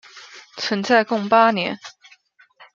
存在共八年。